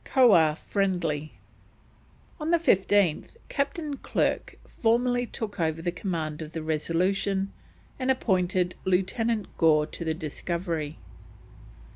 KOAH FRIENDLY. On the 15th Captain Clerke formally took over the command of the Resolution, and appointed Lieutenant Gore to the Discovery.